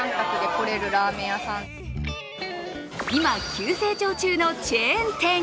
今、急成長中のチェーン店。